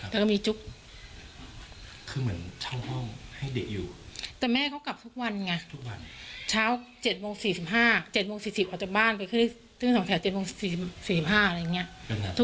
เลิกมาก็กลับมาอยู่กับลูกปกติ